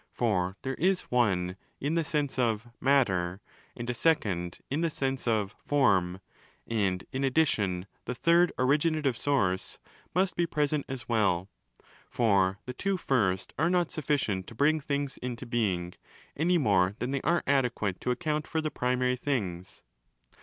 30 For there is ove in the sense of 'matter', and a second in the sense of 'form': and, in addition, the ¢hird ' originative source' must be present as well. For the two first are not sufficient to bring things into being, any more than they are adequate to account for the primary things.